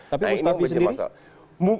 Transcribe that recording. tapi mustafi sendiri